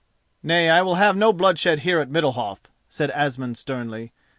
"Nay, I will have no bloodshed here at Middalhof," said Asmund sternly.